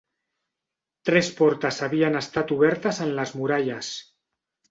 Tres portes havien estat obertes en les muralles.